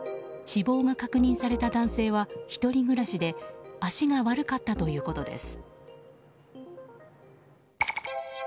死亡が確認された男性は１人暮らしで足が悪かったということです。